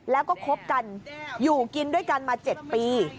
แล้วก็คบกันอยู่กินด้วยกันมา๗ปี